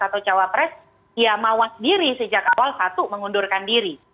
atau cawapres ya mawas diri sejak awal satu mengundurkan diri